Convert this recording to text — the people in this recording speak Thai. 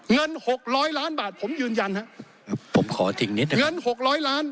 เงิน๖๐๐ล้านบาทผมยืนยันครับ